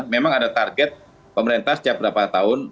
memang ada target pemerintah setiap berapa tahun